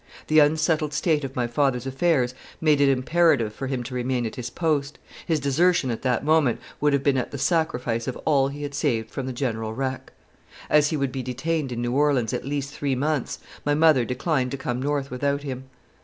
The unsettled state of my father's affairs made it imperative for him to remain at his post; his desertion at that moment would have been at the sacrifice of all he had saved from the general wreck. As he would be detained in New Orleans at least three months, my mother declined to come North without him.